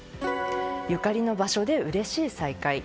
ゆかりの場所でうれしい再会。